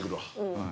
うん。